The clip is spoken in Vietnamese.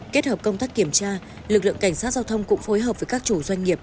kết hợp công tác kiểm tra lực lượng cảnh sát giao thông cũng phối hợp với các chủ doanh nghiệp